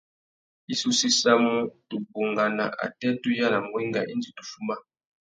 I sú séssamú tu bungana atê tu yānamú wenga indi tu fuma.